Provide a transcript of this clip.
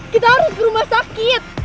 kita harus ke rumah sakit